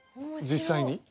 実際に？